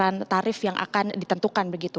dan tarif yang akan ditentukan begitu